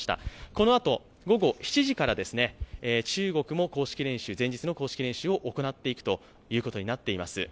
このあと午後７時から中国も前日の公式練習を行うことになっています。